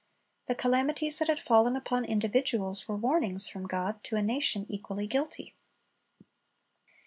The calamities that had fallen upon individuals were warnings from God to a nation equally guilty.